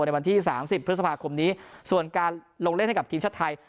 ในวันที่๓๐พฤษภาคมนี้ส่วนการลงเล่นให้กับทีมชาติไทย